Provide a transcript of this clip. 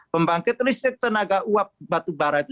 pembangkit listrik tenaga uap batu bara itu